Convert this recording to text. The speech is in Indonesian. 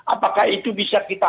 apakah itu bisa kita